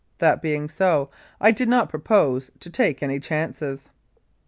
That being so, I did not propose to take any chances.